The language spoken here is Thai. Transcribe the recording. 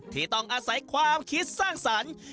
ที่ต้องอาศัยความคิดสร้างสรรค์